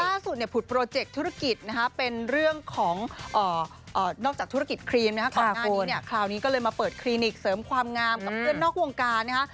ล่าสุดเนี่ยผุดโปรเจกต์ธุรกิจนะฮะเป็นเรื่องของนอกจากธุรกิจครีมนะฮะก่อนหน้านี้เนี่ยคราวนี้ก็เลยมาเปิดคลินิกเสริมความงามกับเพื่อนนอกวงการนะฮะ